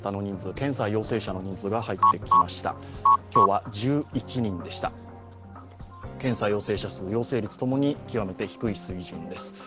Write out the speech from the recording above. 検査陽性率、検査陽性者数、陽性率共に極めて低い水準です。